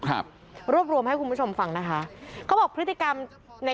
ครับรวบรวมให้คุณผู้ชมฟังนะคะ